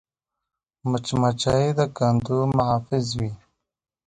مچمچۍ د کندو محافظ وي